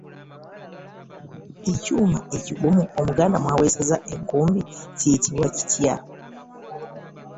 Ekyuma ekigumu Omuganda mw’aweesa enkumbi tukiyita tutya?